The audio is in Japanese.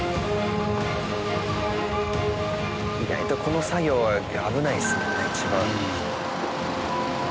意外とこの作業危ないですよね一番。